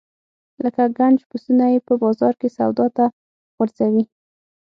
لکه د ګنج پسونه یې په بازار کې سودا ته غورځوي.